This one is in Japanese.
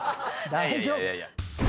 大丈夫！